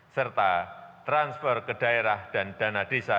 serta transfer ke daerah dan dana desa